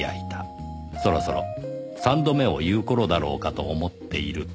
そろそろ３度目を言う頃だろうかと思っていると